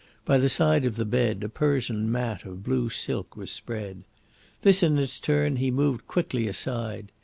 By the side of the bed a Persian mat of blue silk was spread. This in its turn he moved quickly aside.